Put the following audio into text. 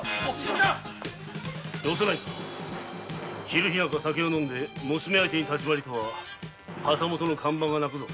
昼日中酒を飲んで娘相手に立ち回りとは旗本の看板が泣くぞ。